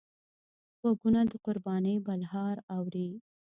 غوږونه د قربانۍ بلهار اوري